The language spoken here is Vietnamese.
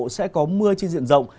sẽ có mưa trên diện rộng